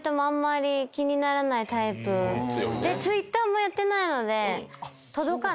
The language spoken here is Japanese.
Ｔｗｉｔｔｅｒもやってないので届かない。